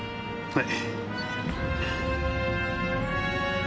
はい。